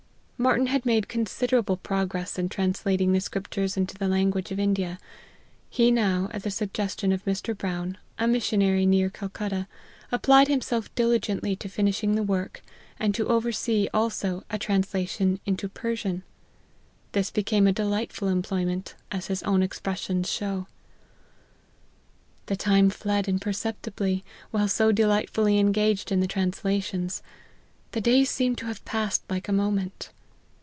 Martyn had made considerable progress in trans lating the scriptures into the language of India ; he now, at the suggestion of Mr. Brown, a missionary near Calcutta, applied himself diligently to finish ing the work, and to oversee, also, a translation into Persian. This became a delightful employ ment, as his own expressions show. " The time fled imperceptibly, while so delight fully engaged in the translations ; the days seemed to have passed like a moment.